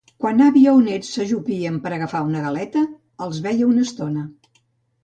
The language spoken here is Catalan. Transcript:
Quan àvia o net s'ajupien per agafar una galeta els veia una estona.